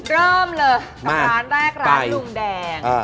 เริ่มเลยกับร้านแรกร้านลุงแดง